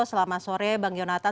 selamat sore bang yonatan